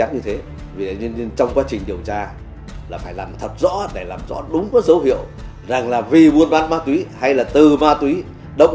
thì trinh viên thủy nó tiến hành bướng xéeverything